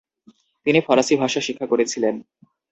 তিনি ফরাসি ভাষা শিক্ষা করেছিলেন।